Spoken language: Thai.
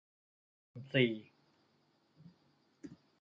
นนทรีย์